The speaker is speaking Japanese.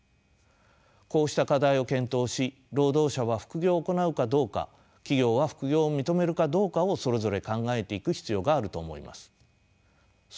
こうした課題を検討し労働者は副業を行うかどうか企業は副業を認めるかどうかをそれぞれ考えていく必要があると思います。